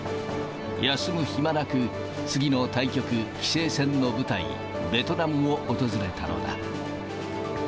休む暇なく、次の対局、棋聖戦の舞台、ベトナムを訪れたのだ。